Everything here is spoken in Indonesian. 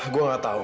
gue nggak tahu